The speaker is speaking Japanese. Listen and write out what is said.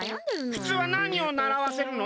ふつうはなにをならわせるの？